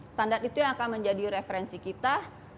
standar itu yang akan menjadi referensi kita